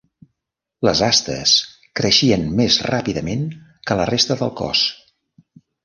Les astes creixien més ràpidament que la resta del cos.